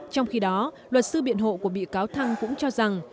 trong khi đó luật sư biện hộ của bị cáo thăng cũng cho rằng